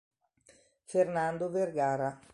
Fernando Vergara